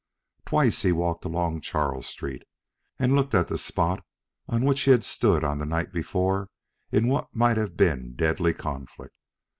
Twice he walked along Charles Street, and looked at the spot on which he had stood on the night before in what might have been deadly conflict.